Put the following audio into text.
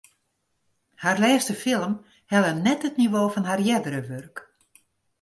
Har lêste film helle net it nivo fan har eardere wurk.